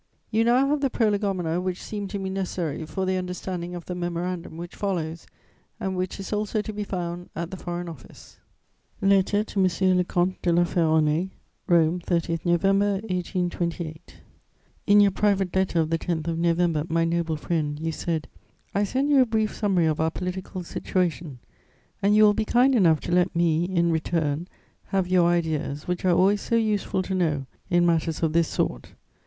You now have the prolegomena which seemed to me necessary for the understanding of the Memorandum which follows, and which is also to be found at the Foreign Office. [Sidenote: To M. de La Ferronnays.] LETTER TO M. LE COMTE DE LA FERRONAYS "ROME, 30 November 1828. "In your private letter of the 10th of November, my noble friend, you said: "'I send you a brief summary of our political situation, and you will be kind enough to let me, in return, have your ideas, which are always so useful to know in matters of this sort.'